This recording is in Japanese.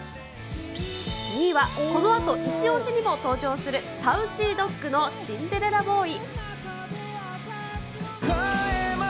２位はこのあとイチオシにも登場する、サウシードッグのシンデレラボーイ。